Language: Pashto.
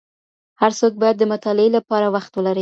هر څوک باید د مطالعې لپاره وخت ولري.